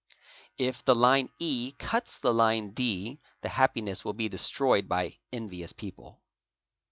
If the line EK cuts the line D the happiness will be destroyed by . envious people.